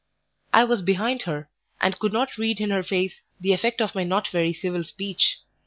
I was behind her, and could not read in her face the effect of my not very civil speech.